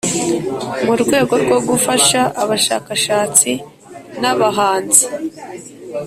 Mu rwego rwo gufasha abashakashatsi nabahanzi